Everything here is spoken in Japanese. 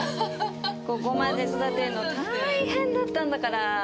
ここまで育てるのたいへんだったんだから。